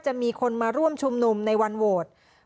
จะมีคนมาร่วมชุมนุมในวันโหวต